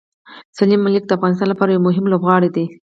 سلیم ملک د افغانستان لپاره یو مهم لوبغاړی دی.